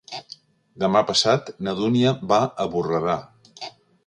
Demà passat na Dúnia va a Borredà.